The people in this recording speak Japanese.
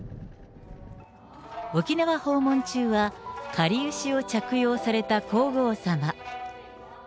沖縄訪問中は、かりゆしを着用された皇后さま。